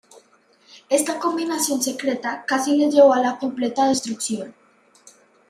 Esta combinación secreta casi les llevó a la completa destrucción.